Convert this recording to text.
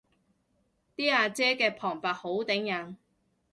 啲阿姐嘅旁白好頂癮